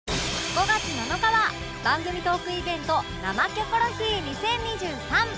５月７日は番組トークイベント「生キョコロヒー２０２３」